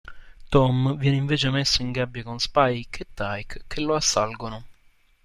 Tom viene invece messo in gabbia con Spike e Tyke, che lo assalgono.